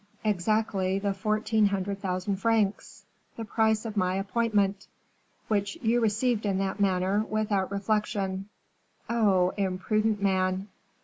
"Exactly the fourteen hundred thousand francs the price of my appointment." "Which you received in that manner, without reflection. Oh, imprudent man!"